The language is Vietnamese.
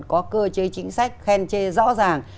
có cơ chế chính sách khen chê rõ ràng